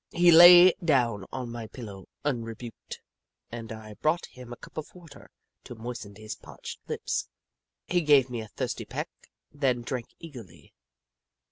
He lay down on my pillow unrebuked, and I brought him a cup of water to moisten his parched lips. He gave me a thirsty peck, then drank eagerly.